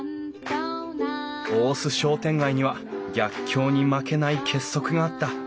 大須商店街には逆境に負けない結束があった。